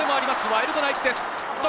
ワイルドナイツです。